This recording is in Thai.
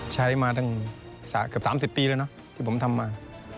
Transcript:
ใช้มาตั้งกับ๓๐ปีเลยนะที่ผมทำมา